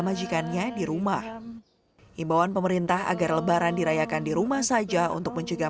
majikannya di rumah imbauan pemerintah agar lebaran dirayakan di rumah saja untuk mencegah